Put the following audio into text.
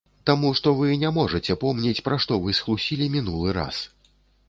Таму што вы не можаце помніць, пра што вы схлусілі мінулы раз.